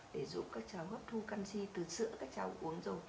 để giúp các cháu hấp thu canxi từ sữa các cháu uống rồi